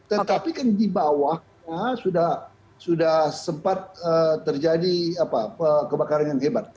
tetapi kan di bawahnya sudah sempat terjadi kebakaran yang hebat